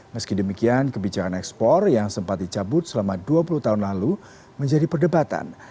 meski demikian kebijakan ekspor yang sempat dicabut selama dua puluh tahun lalu menjadi perdebatan